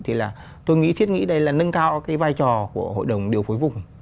thì là tôi nghĩ thiết nghĩ đây là nâng cao cái vai trò của hội đồng điều phối vùng